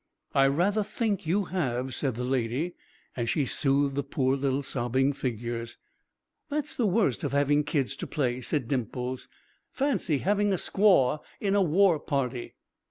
"I rather think you have," said the Lady, as she soothed the poor little sobbing figures. "That's the worst of having kids to play," said Dimples. "Fancy having a squaw in a war party!"